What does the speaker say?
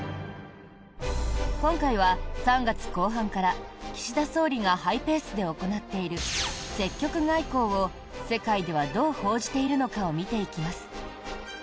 今回は、３月後半から岸田総理がハイペースで行っている積極外交を世界ではどう報じているのかを見ていきます。